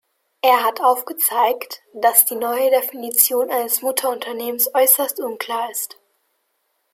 Er hat aufgezeigt, dass die neue Definition eines Mutterunternehmens äußerst unklar ist.